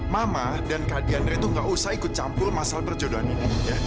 mama dan kak dianry itu enggak usah ikut campur masalah perjodohan ini